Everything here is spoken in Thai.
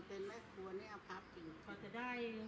ข้าปุ่มค่าบาทแห่งสร้างพัฒนธรรมของเรือ